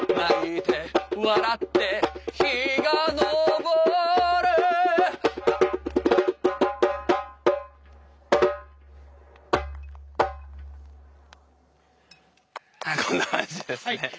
こんな感じですね。